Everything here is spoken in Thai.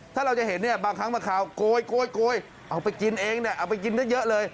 ถ้าเราจะเห็นบางครั้งมาข่าวโกยเอาไปกินเองเอาไปกินได้เยอะเลย